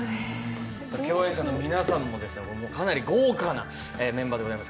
共演者の皆さんもかなり豪華なメンバーでございます。